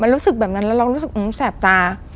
รู้สึกแบบนั้นแล้วเรารู้สึกแสบตา